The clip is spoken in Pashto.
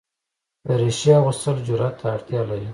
دریشي اغوستل جرئت ته اړتیا لري.